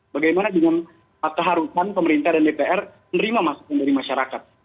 bagaimana dengan keharusan pemerintah dan dpr menerima masukan dari masyarakat